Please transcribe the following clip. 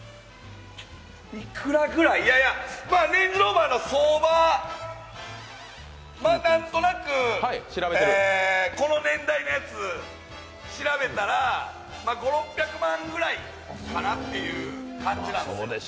いくらぐらいレンジローバーの相場は何となくこの年代のやつ調べたら、５００６００万ぐらいかなという感じ。